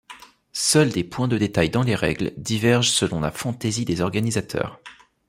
Seuls des points de détail dans les règles divergent selon la fantaisie des organisateurs.